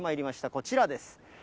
こちらです。